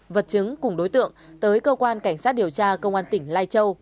vật chứng cùng đối tượng tới cơ quan cảnh sát điều tra công an tỉnh lai châu